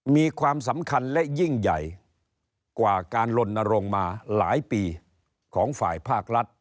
มีความสำคัญและยิ่งใหญ่กว่าการลนรงค์มาหลายปีของฝ่ายภาครัฐ